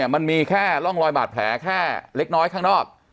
มันมีแค่ร่องรอยบาดแผลแค่เล็กน้อยข้างนอก